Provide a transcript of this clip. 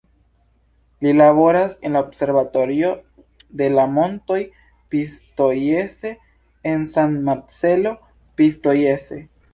Li laboras en la Observatorio de la Montoj Pistoiese, en San Marcello Pistoiese.